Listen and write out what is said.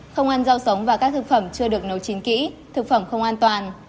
không ăn rau sống và các thực phẩm chưa được nấu chín kỹ thực phẩm không an toàn